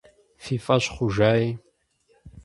Фи фӀэщ хъужаи.